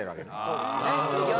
そうですね。